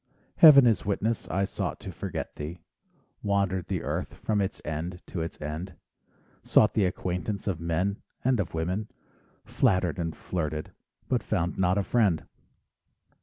Heaven is witness I sought to forget thee, Wandered the earth from its end to its end, Sought the acquaintance of men and of women, Flattered and flirted, but found not a friend.